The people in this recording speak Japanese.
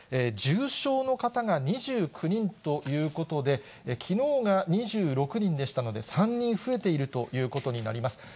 重症の方が２９人ということで、きのうが２６人でしたので、３人増えているということになります。